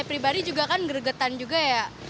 pribadi juga kan gregetan juga ya